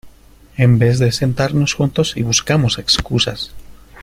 en vez de sentarnos juntos y buscamos excusas